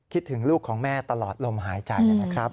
คิดถึงลูกของแม่ตลอดลมหายใจนะครับ